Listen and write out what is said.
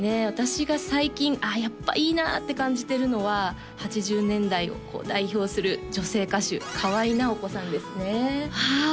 私が最近「ああやっぱいいなあ」って感じてるのは８０年代を代表する女性歌手河合奈保子さんですねはあ